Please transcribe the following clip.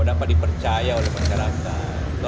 nampak dipercaya oleh masyarakat